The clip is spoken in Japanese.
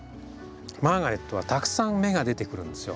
マーガレットはたくさん芽が出てくるんですよ。